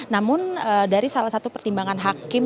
namun dari salah satu pertimbangan hakim